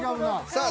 さあ